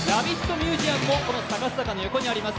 ミュージアムこのサカス坂の横にあります。